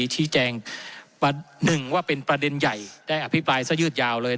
ชี้แจงประหนึ่งว่าเป็นประเด็นใหญ่ได้อภิปรายซะยืดยาวเลย